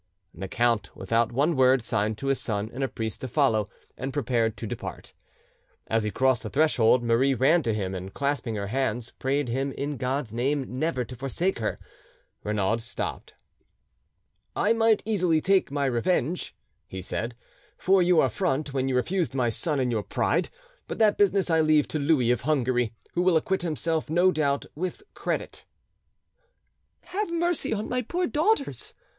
The count, without one word, signed to his son and a priest to follow, and prepared to depart. As he crossed the threshold Marie ran to him, and clasping her hands, prayed him in God's name never to forsake her. Renaud stopped. "I might easily take my revenge," he said, "for your affront when you refuse my son in your pride; but that business I leave to Louis of Hungary, who will acquit himself, no doubt, with credit." "Have mercy on my poor daughters!"